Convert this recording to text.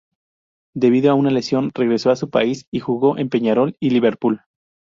Debido a una lesión regresó a su país y jugó en Peñarol y Liverpool.